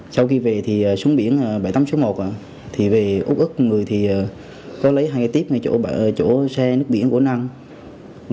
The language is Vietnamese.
sau khi về thì xuống biển bảy mươi tám số một thì về úc úc một người thì có lấy hai cái tiếp ngay chỗ xe nước biển của anh năng